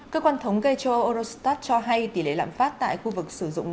cơ quan thống kê châu âu eurostat cho hay tỷ lệ lạm phát tại khu vực sử dụng